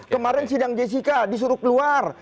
kemarin sidang jessica disuruh keluar